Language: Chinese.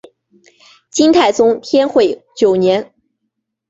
金太宗天会九年。